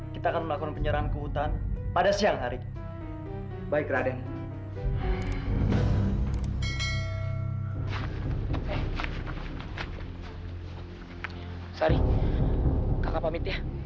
kita akan menyerang kampung seruni